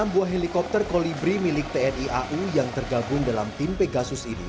enam buah helikopter kolibri milik tni au yang tergabung dalam tim pegasus ini